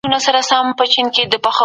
د انسان علمي هڅې څېړني ته لار هواروي.